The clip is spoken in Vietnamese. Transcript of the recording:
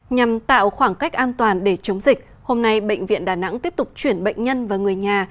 nhằm tạo khoảng cách an toàn để chống dịch hôm nay bệnh viện đà nẵng tiếp tục chuyển bệnh nhân và người nhà